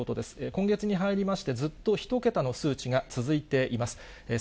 今月に入りまして、ずっと１桁の数値が続いています。